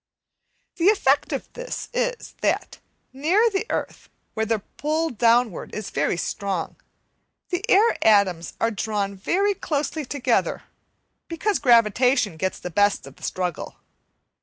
The effect of this is, that near the earth, where the pull downward is very strong, the air atoms are drawn very closely together, because gravitation gets the best of the struggle.